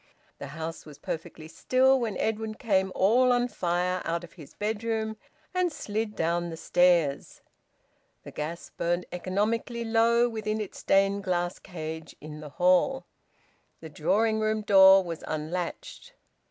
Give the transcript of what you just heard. The house was perfectly still when Edwin came all on fire out of his bedroom and slid down the stairs. The gas burnt economically low within its stained glass cage in the hall. The drawing room door was unlatched.